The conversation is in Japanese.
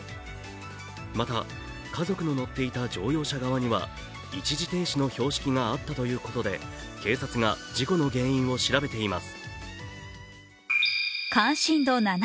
また家族の乗っていた乗用車側には一時停止の標識があったということで警察が事故の原因を調べています。